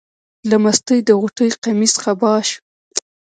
له مستۍ د غوټۍ قمیص قبا شو.